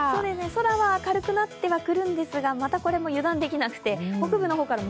空は明るくなってはくるんですがまたこれも油断できなくて、北部の方から